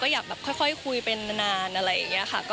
อยากแบบค่อยคุยเป็นนานอะไรอย่างนี้ค่ะ